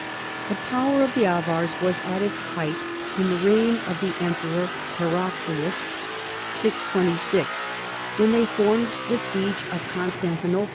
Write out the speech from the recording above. * The power of the Avars was at its height in the reign of the emperor Heraclius (626) when they formed the siege of Constantinople,, and, *See p.